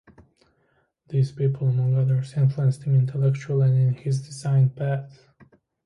These people, among others, influenced him intellectually and in his design path.